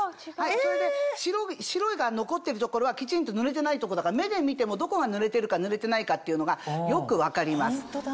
それで白が残ってる所はきちんと塗れてないとこだから目で見てもどこが塗れてるか塗れてないかっていうのがよく分かります。